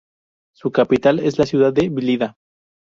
Su capital es la ciudad de Blida.